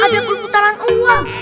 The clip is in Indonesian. ada perputaran uang